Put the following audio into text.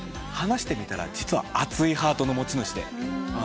話してみたら実は熱いハートの持ち主で。